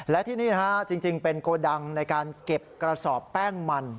และที่นี่จริงเป็นโกดังในการเก็บกระสอบแป้งมัน